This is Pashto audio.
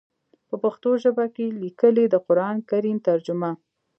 پۀ پښتو ژبه کښې ليکلی د قران کريم ترجمه